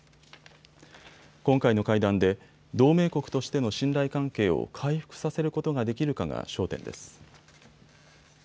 今回の会談で同盟国としての信頼関係を回復させることができるかが焦点です。